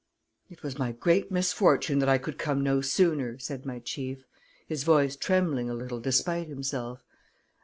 "It was my great misfortune that I could come no sooner," said my chief, his voice trembling a little despite himself.